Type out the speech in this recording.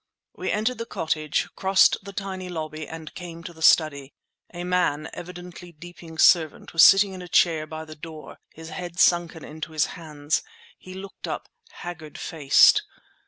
We entered the cottage, crossed the tiny lobby, and came to the study. A man, evidently Deeping's servant, was sitting in a chair by the door, his head sunken in his hands. He looked up, haggard faced.